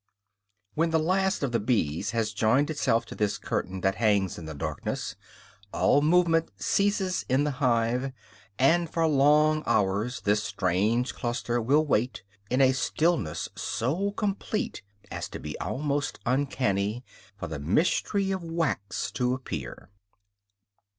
When the the last of the bees has joined itself to this curtain that hangs in the darkness, all movement ceases in the hive; and for long hours this strange cluster will wait, in a stillness so complete as to be almost uncanny, for the mystery of wax to appear.